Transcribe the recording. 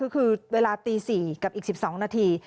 ก็คือเวลาตี๔กับอีก๑๒นาที